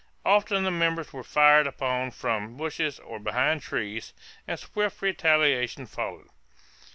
Often the members were fired upon from bushes or behind trees, and swift retaliation followed.